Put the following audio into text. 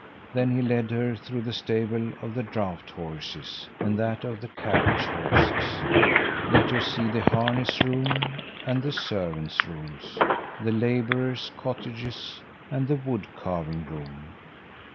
Then he led her through the stable of the draught horses, and that of the carriage horses; let her see the harness room and the servants' rooms; the laborers' cottages and the wood carving room.